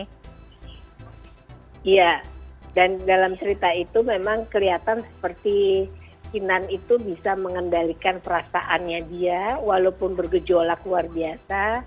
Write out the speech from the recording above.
iya dan dalam cerita itu memang kelihatan seperti kinan itu bisa mengendalikan perasaannya dia walaupun bergejolak luar biasa